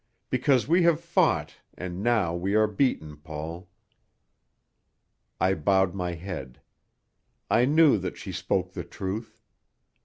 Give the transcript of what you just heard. "Because we have fought and now we are beaten, Paul." I bowed my head. I knew that she spoke the truth.